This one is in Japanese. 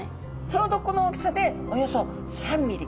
ちょうどこの大きさでおよそ３ミリ。